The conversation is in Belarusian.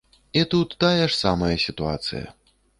І тут тая ж самая сітуацыя.